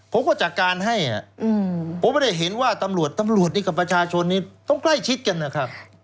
ผมก็จัดการให้ผมไม่ได้เห็นว่าตำรวจตำรวจนี่กับประชาชนนี้ต้องใกล้ชิดกันนะครับ